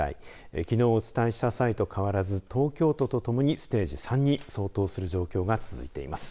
きのう、お伝えした際と変わらず東京都とともにステージ３に相当する状況が続いています。